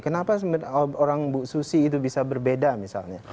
kenapa orang bu susi itu bisa berbeda misalnya